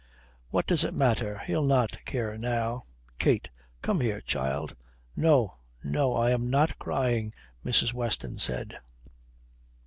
"What does it matter? He'll not care now." "Kate come here, child." "No. No. I am not crying," Mrs. Weston said.